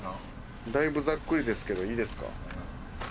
だいぶザックリですけどいいですか？